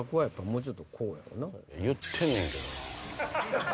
言ってんねんけどな。